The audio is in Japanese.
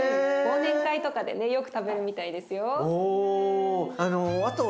忘年会とかでねよく食べるみたいですよ。